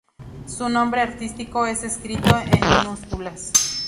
Su nombre artístico es escrito en minúsculas.